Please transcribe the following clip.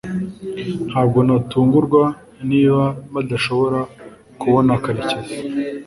ntabwo natungurwa niba badashobora kubona karekezi